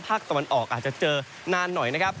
ภาคตะวันออกอาจจะเจอนานหน่อยนะครับ